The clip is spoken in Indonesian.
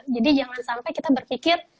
jadi jangan sampai kita berpikir